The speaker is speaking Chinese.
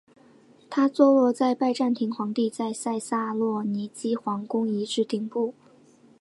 它坐落在拜占庭皇帝在塞萨洛尼基皇宫遗址顶部。